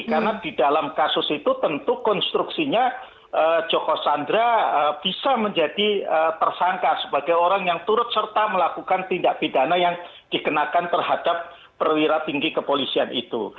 karena di dalam kasus itu tentu konstruksinya joko candra bisa menjadi tersangka sebagai orang yang turut serta melakukan tindak pidana yang dikenakan terhadap perwira tinggi kepolisian itu